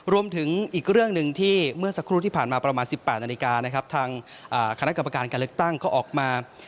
รวมถึงอีกเรื่องหนึ่งที่เมื่อสักครู่ที่ผ่านมาประมาณ๑๘นาฬิกานะครับทางคณะกรรมการการเลือกตั้งก็ออกมา